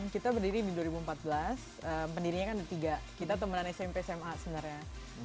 kita berdiri di dua ribu empat belas pendirinya kan ada tiga kita teman smp sma sebenarnya